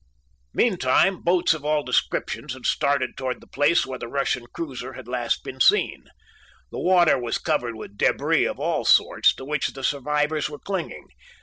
Meantime, boats of all descriptions had started toward the place where the Russian cruiser had last been seen. The water was covered with débris of all sorts, to which the survivors were clinging.